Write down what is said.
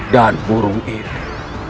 dan burung itu